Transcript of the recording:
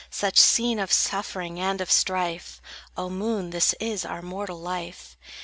Such scene of suffering, and of strife, O moon, is this our mortal life.